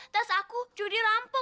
tas aku judi lampu